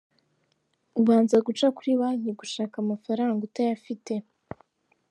Ubanza guca kuri banki gushaka amafaranga utayafite.